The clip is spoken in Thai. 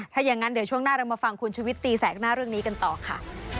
ถ้าอย่างนั้นเดี๋ยวช่วงหน้าเรามาฟังคุณชุวิตตีแสกหน้าเรื่องนี้กันต่อค่ะ